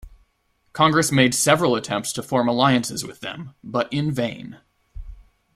Congress made several attempts to form alliances with them, but in vain.